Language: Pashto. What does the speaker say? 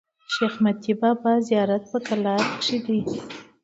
شېخ متي بابا زیارت په کلات کښي دﺉ.